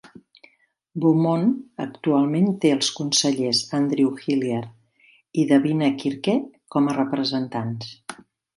Beaumont actualment té els consellers Andrew Hillier i Davina Quirke com a representants.